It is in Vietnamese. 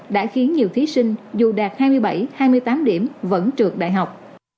đã khiến nhiều thí sinh dù đạt hai mươi bảy hai mươi tám điểm vẫn trượt đại học